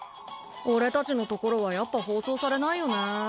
俺たちのところはやっぱ放送されないよね。